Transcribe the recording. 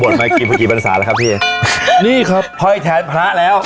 บ่นมากี่พอกี่ปรรรษาแล้วครับพี่นี่ครับพ่อยแทนพระแล้ว